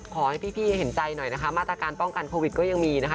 ขอให้พี่เห็นใจหน่อยนะคะมาตรการป้องกันโควิดก็ยังมีนะคะ